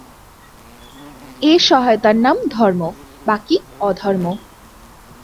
এই সহায়তার নাম ধর্ম, বাকী অধর্ম।